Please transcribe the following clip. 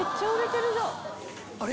あれ？